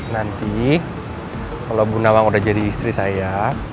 nanti kalau bu nawang sudah menjadi istri saya